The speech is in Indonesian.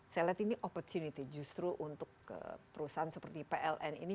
saya lihat ini opportunity justru untuk perusahaan seperti pln ini